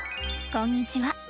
こんにちは。